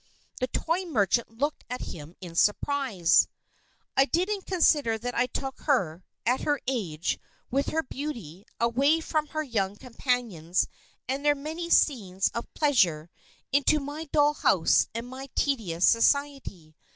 The toy merchant looked at him in surprise. "I didn't consider that I took her, at her age, with her beauty, away from her young companions and their many scenes of pleasure into my dull house and my tedious society.